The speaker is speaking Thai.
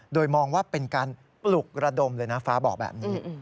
โดยมองว่าเป็นการปลุกระดมเลยนะฟ้าบอกแบบนี้